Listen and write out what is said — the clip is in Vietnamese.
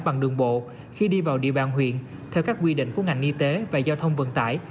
bằng đường bộ khi đi vào địa bàn huyện theo các quy định của ngành y tế và giao thông vận tải